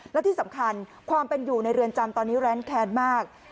และที่สำคัญความเป็นอยู่ในเรือนจำตอนนี้แร้นแค้นมาก